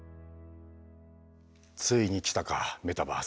ついに来たかメタバース。